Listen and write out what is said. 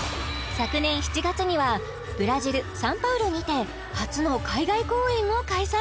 昨年７月にはブラジル・サンパウロにて初の海外公演を開催